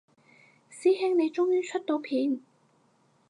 師兄你終於出到片